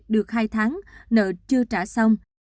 được hai tháng nợ chưa trả xong